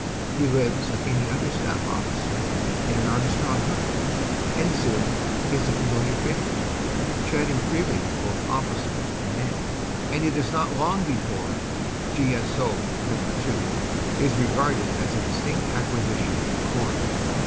He lives like any other staff officer in an Armstrong hut, and soon he is a familiar figure, chatting freely with both officers and men, and it is not long before "G.S.O. No. 2" is regarded as a distinct acquisition to Corps.